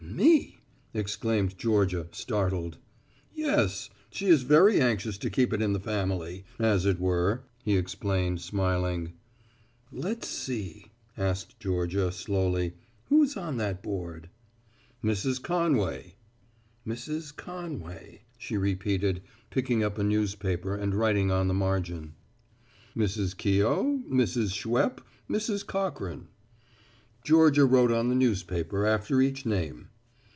"Me!" exclaimed Georgia, startled. "Yes. She is very anxious to keep it in the family, as it were," he explained, smiling. "Let's see," asked Georgia slowly, "who's on that board?" "Mrs. Conway." "Mrs. Conway," she repeated, picking up a newspaper and writing on the margin. "Mrs. Keough, Mrs. Schweppe, Mrs. Cochrane." Georgia wrote on the newspaper after each name.